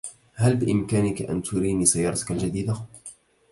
هل بإمكانك أن تريني سيارتك الجديدة؟